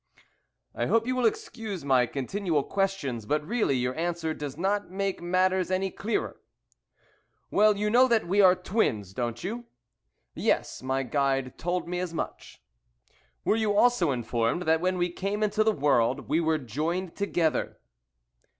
"I hope you will excuse my continual questions; but, really, your answer does not make matters any clearer." "Well, you know that we are twins, don't you?" "Yes, my guide told me as much." "Were you also informed that when we came into the world we were joined together?"